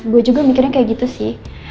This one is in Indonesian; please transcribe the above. gue juga mikirnya kayak gitu sih